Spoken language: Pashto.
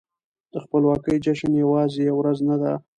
د خپلواکۍ جشن يوازې يوه ورځ نه ده.